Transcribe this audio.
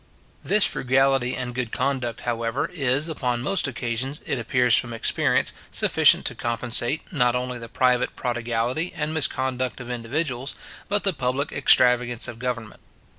This frugality and good conduct, however, is, upon most occasions, it appears from experience, sufficient to compensate, not only the private prodigality and misconduct of individuals, but the public extravagance of government.